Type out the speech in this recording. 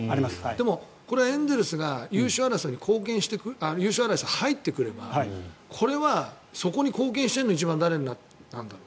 でも、エンゼルスが優勝争いに入ってくればこれはそこに貢献しているのは一番誰になるんだろう。